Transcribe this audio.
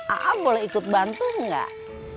a a boleh ikut bantu enggak